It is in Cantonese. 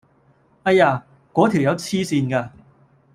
唉呀！果條友痴線㗎！